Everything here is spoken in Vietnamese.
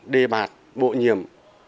đề bạt bộ nhiệm